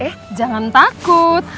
eh jangan takut